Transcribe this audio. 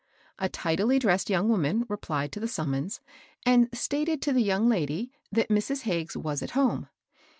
A tidily dressed young woman replied to the summons, and stated to the young lady that Mrs. Hagges was at home.